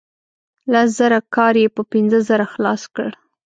لس زره کار یې په پنځه زره خلاص کړ.